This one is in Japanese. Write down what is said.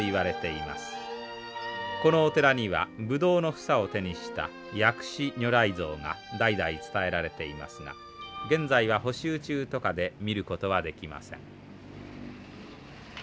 このお寺にはブドウの房を手にした薬師如来像が代々伝えられていますが現在は補修中とかで見ることはできません。